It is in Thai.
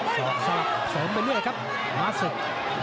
สองสวมไปเรื่อยครับหนาศึก